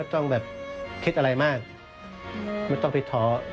ต้องแบบคิดอะไรมากไม่ต้องไปท้อ